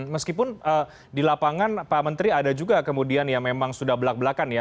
meskipun di lapangan pak menteri ada juga kemudian yang memang sudah belak belakan ya